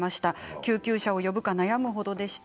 救急車を呼ぶか悩むほどでした。